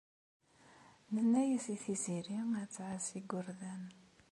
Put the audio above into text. Nenna-as i Tiziri ad tɛass igerdan.